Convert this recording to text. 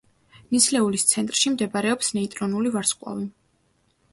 ნისლეულის ცენტრში მდებარეობს ნეიტრონული ვარსკვლავი.